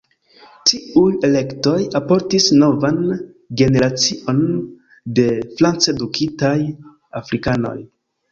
Tiuj elektoj alportis novan generacion de franc-edukitaj afrikanoj.